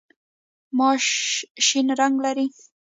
ماش شین رنګ لري.